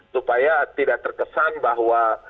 supaya tidak terkesan bahwa